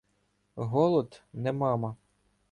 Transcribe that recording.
Голод — не мама.